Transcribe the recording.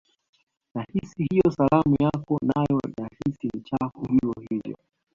Nahisi hiyo salamu yako nayo nahisi ni chafu hivyo hivyo